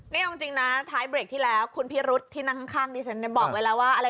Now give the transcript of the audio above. นี่จริงนะท้ายเบรกที่แล้วคุณพี่รุษที่นั่งข้างบอกไว้แล้วว่า